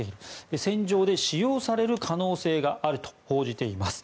戦場で使用される可能性があると報じています。